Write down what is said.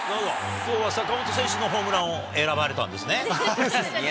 きょうは坂本選手のホームランを選ばれたんですね。